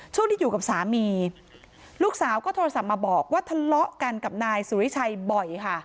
ช่วงที่อยู่กับสามีลูกสาวก็โทรศัพท์มาบอกว่าทะเลาะกันกับนายสุริชัยบ่อยค่ะ